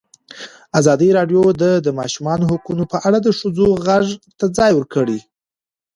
ازادي راډیو د د ماشومانو حقونه په اړه د ښځو غږ ته ځای ورکړی.